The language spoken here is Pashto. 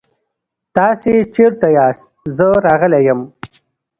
تاسې چيرته ياست؟ زه راغلی يم.